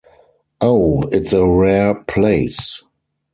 Oh, it’s a rare place!